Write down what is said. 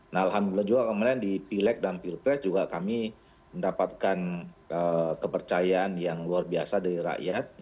nah alhamdulillah juga kemarin di pileg dan pilpres juga kami mendapatkan kepercayaan yang luar biasa dari rakyat